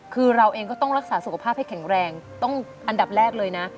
คือเราเองก็ต้องรักษาสุขภาพให้แข็งแรงต้องอันดับแรกเลยนะ